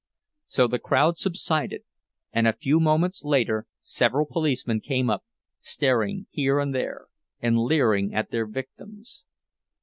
So the crowd subsided; and a few moments later several policemen came up, staring here and there, and leering at their victims.